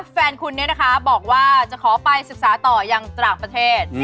แฟนคุณนี่บอกว่าจะไปศึกษาต่ออย่างจากประเทศ